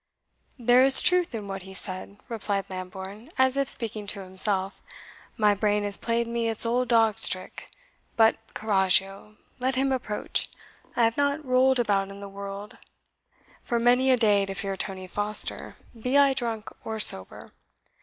"There is truth in what he said," replied Lambourne, as if speaking to himself "my brain has played me its old dog's trick. But corragio let him approach! I have not rolled about in the world for many a day to fear Tony Foster, be I drunk or sober.